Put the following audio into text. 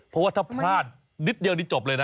เพราะว่าถ้าพลาดนิดเดียวนี่จบเลยนะ